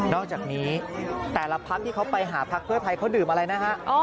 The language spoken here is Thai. อกจากนี้แต่ละพักที่เขาไปหาพักเพื่อไทยเขาดื่มอะไรนะฮะ